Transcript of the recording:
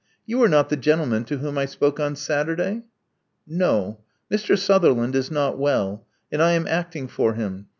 '*You are not the gentleman to .whom I spoke on Saturday?" '*No. Mr. Sutherland is not well; and I am acting for him.